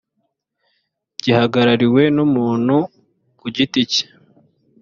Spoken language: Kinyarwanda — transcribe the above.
gihagarariwe n umuntu ku giti cye